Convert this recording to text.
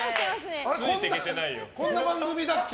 こんな番組だっけ？